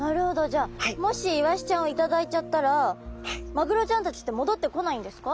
じゃあもしイワシちゃんを頂いちゃったらマグロちゃんたちって戻ってこないんですか？